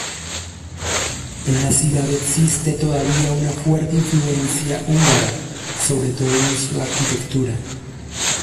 En la ciudad existe todavía una fuerte influencia húngara, sobre todo en su arquitectura.